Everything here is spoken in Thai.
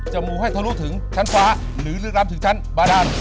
จะมูให้เธอรู้ถึงชั้นฟ้าหรือลืมลำถึงชั้นบาดาล